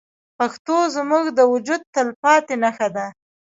پښتو زموږ د وجود تلپاتې نښه ده.